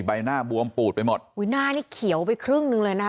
ใบหน้าบวมปูดไปหมดอุ้ยหน้านี่เขียวไปครึ่งหนึ่งเลยนะ